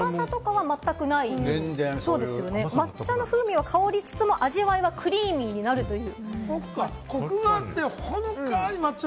抹茶の風味を感じさせず、味わいはクリームになるという。